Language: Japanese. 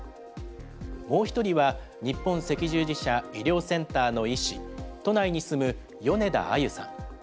もう１人は、日本赤十字社医療センターの医師、都内に住む米田あゆさん。